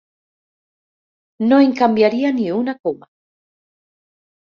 No en canviaria ni una coma.